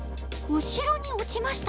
後ろに落ちました。